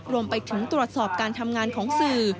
รวมไปถึงตรวจสอบการทำงานของสื่อ